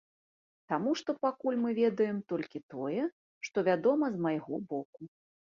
Таму што пакуль мы ведаем толькі тое, што вядома з майго боку.